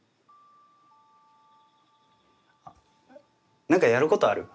あなんかやることある？